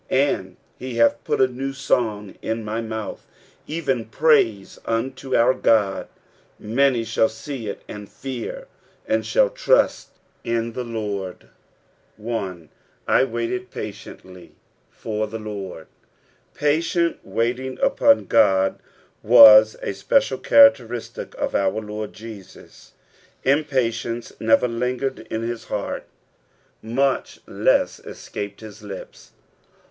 3 And he hath put a new song in my mouth, evert praise unto our God : many shall see ii, and fear, and shall trust in the Lord. 1. "J wail«d patientls/ for the Lord." Patient waiting upon God was a spe ida] cbantctamtic of our Lord Jesus. Impatience never lingered in bis hiatrt, mncb less escaped his lips.